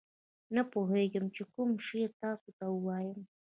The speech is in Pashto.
نه پوهېږم چې کوم شعر تاسو ته ووایم.